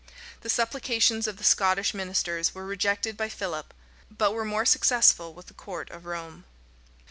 The supplications of the Scottish ministers were rejected by Philip; but were more successful with the court of Rome.